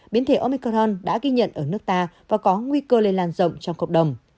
biến thể omicron đã ghi nhận ở nước ta và có nguy cơ lây lan rộng trong cộng đồng